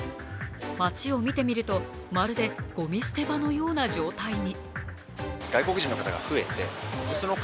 街を見てみると、まるでごみ捨て場のような状態に。